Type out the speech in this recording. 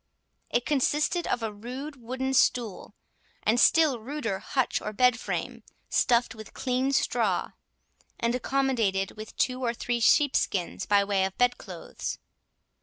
It consisted of a rude wooden stool, and still ruder hutch or bed frame, stuffed with clean straw, and accommodated with two or three sheepskins by way of bed clothes.